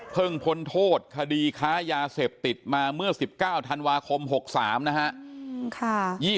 พ้นโทษคดีค้ายาเสพติดมาเมื่อ๑๙ธันวาคม๖๓นะฮะ